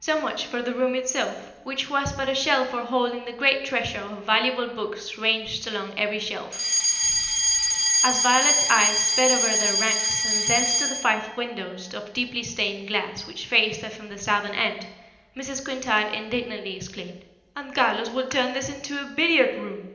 So much for the room itself, which was but a shell for holding the great treasure of valuable books ranged along every shelf. As Violet's eyes sped over their ranks and thence to the five windows of deeply stained glass which faced her from the southern end, Mrs. Quintard indignantly exclaimed: "And Carlos would turn this into a billiard room!"